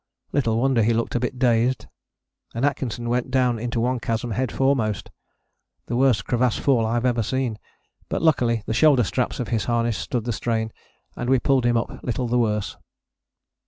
Little wonder he looked a bit dazed. And Atkinson went down into one chasm head foremost: the worst crevasse fall I've ever seen. But luckily the shoulder straps of his harness stood the strain and we pulled him up little the worse.